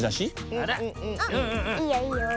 あっいいよいいよ。